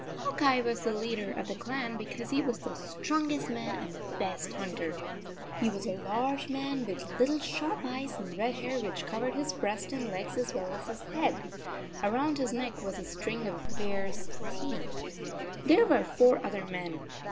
Hawk Eye was the leader of the clan, because he was the strongest man and the best hunter. He was a large man with little sharp eyes and red hair which covered his breast and legs as well as his head. Around his neck was a string of bear s teeth. There were four other men.